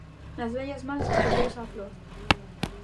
"Nas vellas mans repousa a flor."